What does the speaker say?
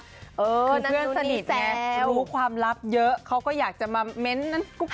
คือเพื่อนสนิทไงรู้ความลับเยอะเขาก็อยากจะมาเม้นต์นั้นกุ๊ก